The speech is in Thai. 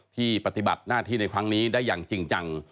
ปฏิบัติหน้าที่ในครั้งนี้ได้อย่างจริงจัง